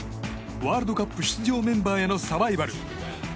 ワールドカップ出場メンバーへのサバイバル。